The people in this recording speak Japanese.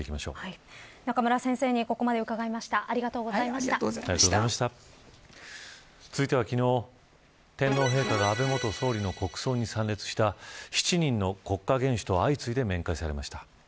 中村先生に昨日、天皇陛下が安倍元総理の国葬に参列した７人の国家元首と相次いで面会されました。